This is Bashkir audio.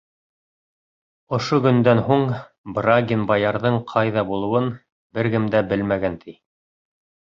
Ошо көндән һуң, Брагин баярҙың ҡайҙа булыуын бер кем дә белмәгән, ти.